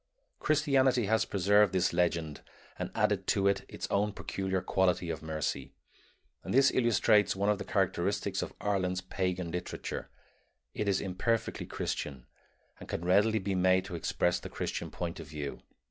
Christianity has preserved this legend and added to it its own peculiar quality of mercy; and this illustrates one of the characteristics of Ireland's pagan literature it is imperfectly Christian and can readily be made to express the Christian point of view.